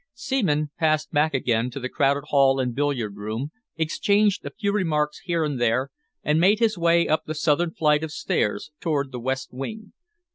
Seaman passed back again to the crowded hall and billiard room, exchanged a few remarks here and there, and made his way up the southern flight of stairs toward the west wing.